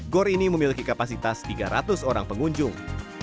gor ini memiliki kapasitas tiga ratus orang pengunjung